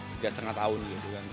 tiga setengah tahun gitu kan